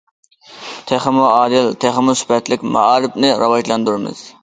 تېخىمۇ ئادىل، تېخىمۇ سۈپەتلىك مائارىپنى راۋاجلاندۇرىمىز.